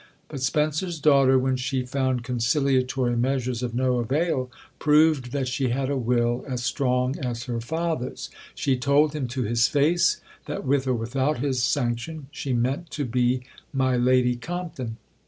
But Spencer's daughter, when she found conciliatory measures of no avail, proved that she had a will as strong as her father's; she told him to his face that with or without his sanction she meant to be my Lady Compton.